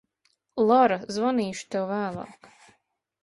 Lara, zvanīšu tev vēlāk.